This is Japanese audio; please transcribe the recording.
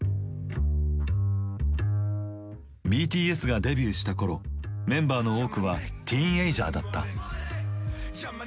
ＢＴＳがデビューした頃メンバーの多くはティーンエイジャーだった。